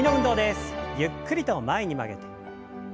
ゆっくりと前に曲げて。